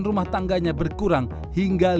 rumah tangganya berkurang hingga lima puluh